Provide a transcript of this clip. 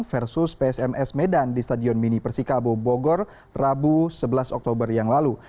versus psms medan di stadion mini persikabo bogor rabu sebelas oktober yang lalu